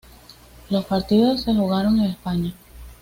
Los partidos se jugaron en España.